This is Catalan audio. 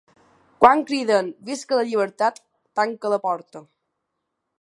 Quan criden «visca la llibertat», tanca la porta.